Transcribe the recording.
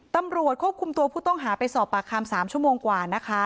ตำรวจควบคุมตัวผู้ต้องหาไปสอบปากคำ๓ชั่วโมงกว่านะคะ